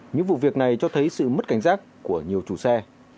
những vụ việc này cho thấy sự mất cảnh giác của nhiều chủ xe